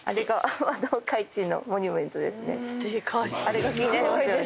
あれが気になりますよね。